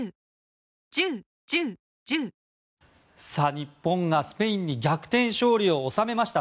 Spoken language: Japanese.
日本がスペインに逆転勝利を収めました。